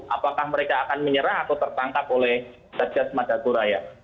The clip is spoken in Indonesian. apakah mereka akan menyerah atau tertangkap oleh dajjal madagoraya